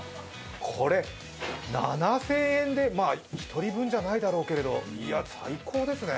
これ、７０００円で１人分じゃないだろうけれど最高ですね。